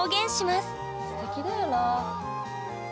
すてきだよなあ。